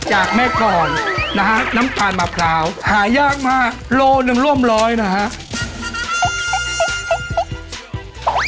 จากแม่กรนะฮะน้ำตาลมะพร้าวหายากมากโลหนึ่งร่วมร้อยนะฮะ